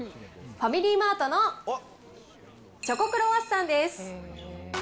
ファミリーマートのチョコクロワッサンです。